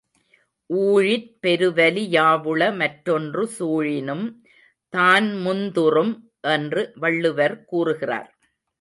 ஊழிற் பெருவலி யாவுள மற்றொன்று சூழினும் தான்முந் துறும் என்று வள்ளுவர் கூறுகிறார்.